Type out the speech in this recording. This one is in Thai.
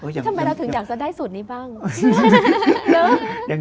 ทำไมเราถึงอยากจะได้สูตรนี้บ้าง